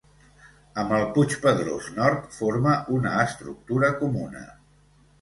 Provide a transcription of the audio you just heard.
Amb el Puig Pedrós Nord forma una estructura comuna.